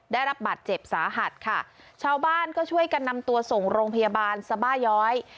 ได้รับบัตรเจ็บสาหัสค่ะชาวบ้านก็ช่วยกันนำตัวส่งโรงพยาบาลสบาย้อย